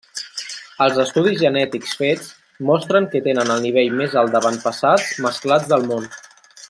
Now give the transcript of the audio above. Els estudis genètics fets mostren que tenen el nivell més alt d'avantpassats mesclats del món.